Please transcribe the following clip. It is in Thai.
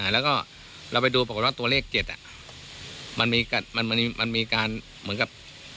แล้วก็เราไปดูปรากฏว่าตัวเลขเจ็ดอ่ะมันมีกัดมันมีมันมีการเหมือนกับ